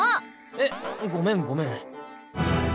えっごめんごめん。